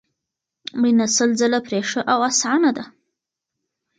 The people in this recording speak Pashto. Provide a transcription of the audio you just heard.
مړینه سل ځله پرې ښه او اسانه ده